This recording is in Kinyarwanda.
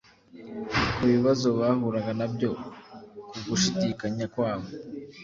ku bibazo bahuraga nabyo, ku gushidikanya kwabo